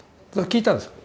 聞いたんですよ。